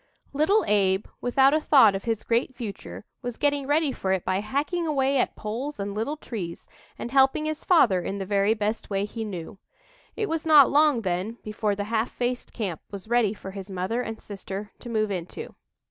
Little Abe, without a thought of his great future, was getting ready for it by hacking away at poles and little trees and helping his father in the very best way he knew. It was not long, then, before the "half faced camp" was ready for his mother and sister to move into.